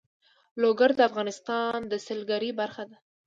لوگر د افغانستان د سیلګرۍ برخه ده.